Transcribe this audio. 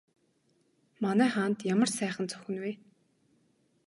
Манай хаанд ямар сайхан зохино вэ?